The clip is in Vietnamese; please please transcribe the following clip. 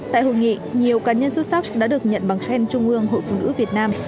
tại hội nghị nhiều cá nhân xuất sắc đã được nhận bằng khen trung ương hội phụ nữ việt nam